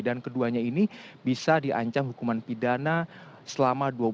dan keduanya ini bisa diancam hukuman pidana selama dua belas tahun